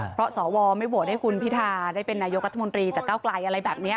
เพราะสวไม่โหวตให้คุณพิทาได้เป็นนายกรัฐมนตรีจากเก้าไกลอะไรแบบนี้